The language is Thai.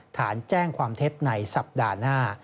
ฐานแจ้งความเท็จในสัปดาห์หน้า